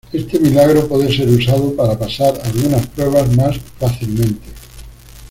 Éste milagro puede ser usado para pasar algunas pruebas más fácilmente.